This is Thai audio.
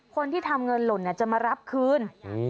คนที่ทำเงินหล่นจะมารับคืน